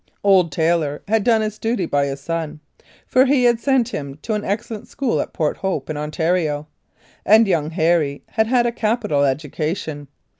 Old Taylor had done his duty by his son, for he had sent him to an excellent school at Port Hope, in Ontario, and young Harry had had a capital education.